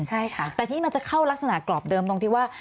แต่ทีนี้มันจะเข้ารักษณะกรอบเดิมตรงที่ว่า